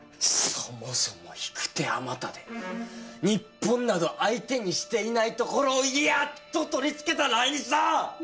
そもそも引く手あまたで日本など相手にしていないところをやっと取り付けた来日だ！